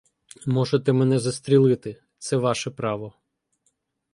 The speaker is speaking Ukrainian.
Можете мене застрілити - це ваше право.